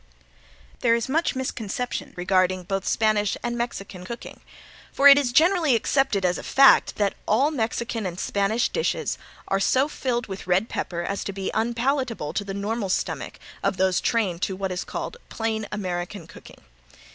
There is much misconception regarding both Spanish and Mexican cooking, for it is generally accepted as a fact that all Mexican and Spanish dishes are so filled with red pepper as to be unpalatable to the normal stomach of those trained to what is called "plain American cooking."